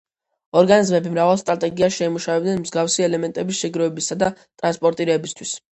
ორგანიზმები მრავალ სტრატეგიას შეიმუშავებენ მსგავსი ელემენტების შეგროვებისა და ტრანსპორტირებისთვის.